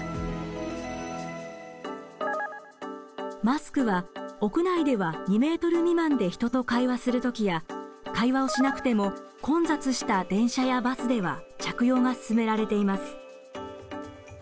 マスクは屋内では２ｍ未満で人と会話する時や会話をしなくても混雑した電車やバスでは着用が勧められています。